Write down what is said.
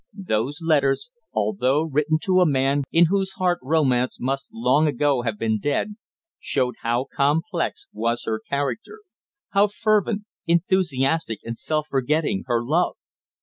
Those letters, although written to a man in whose heart romance must long ago have been dead, showed how complex was her character, how fervent, enthusiastic and self forgetting her love.